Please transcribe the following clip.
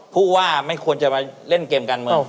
ผู้ว่าไม่ควรจะมาเล่นเกมการเมือง